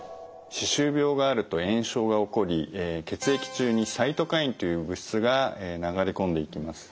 歯周病があると炎症が起こり血液中にサイトカインという物質が流れ込んでいきます。